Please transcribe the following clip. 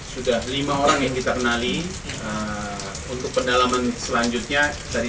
sudah lima orang yang kita kenali untuk pendalaman selanjutnya